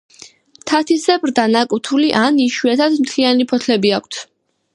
თათისებრ დანაკვთული ან, იშვიათად, მთლიანი ფოთლები აქვთ.